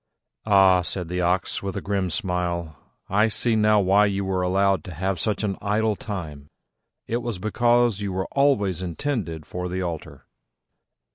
"Ah," said the Ox, with a grim smile, "I see now why you were allowed to have such an idle time: it was because you were always intended for the altar."